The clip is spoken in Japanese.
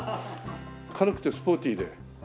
軽くてスポーティーで。